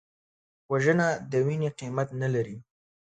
وژنه د وینې قیمت نه لري